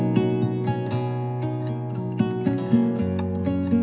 tiếp tục theo dõi